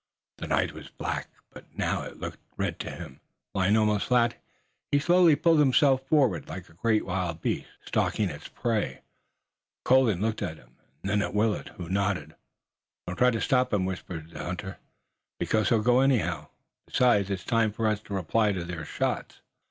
The night was black, but now it looked red to him. Lying almost flat, he slowly pulled himself forward like a great wild beast, stalking its prey. Colden looked at him, and then at Willet, who nodded. "Don't try to stop him," whispered the hunter, "because he'll go anyhow. Besides, it's time for us to reply to their shots."